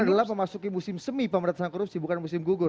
jadi ini adalah pemasuki musim semi pemerintahan korupsi bukan musim gugur